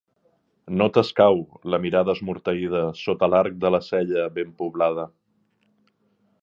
No t’escau la mirada esmorteïda sota l’arc de la cella ben poblada.